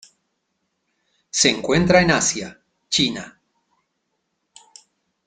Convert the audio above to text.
Se encuentra en Asia: China.